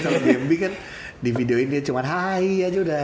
kalau gmb kan di video ini cuman hai aja udah